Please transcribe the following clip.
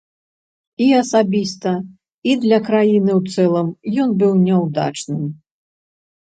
І асабіста, і для краіны ў цэлым ён быў няўдачным.